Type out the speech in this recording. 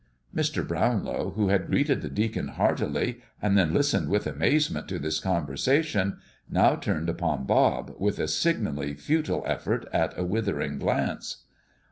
Mr. Brownlow, who had greeted the deacon heartily and then listened with amazement to this conversation, now turned upon Bob, with a signally futile attempt at a withering glance.